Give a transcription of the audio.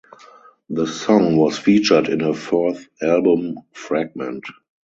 The song was featured in her fourth album "Fragment".